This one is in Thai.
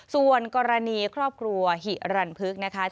ส่วนกรณีครอบครัวหิรันพึกนะคะ